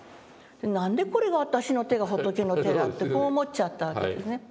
「何でこれが私の手が仏の手だ？」ってこう思っちゃったわけですね。